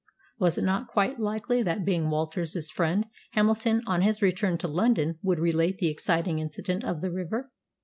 Was it not quite likely that, being Walter's friend, Hamilton on his return to London would relate the exciting incident of the river?